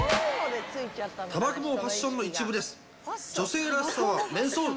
たばこもファッションの一部です。